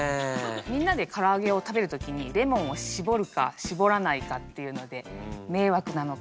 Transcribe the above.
みんなでからあげを食べる時にレモンを搾るか搾らないかっていうのであっ。